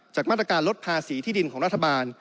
มาตรการลดภาษีที่ดินของรัฐบาล